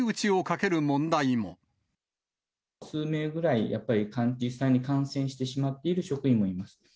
そこに、数名ぐらい、やっぱり実際に感染してしまっている職員もいます。